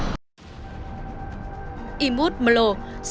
y mút mờ lộ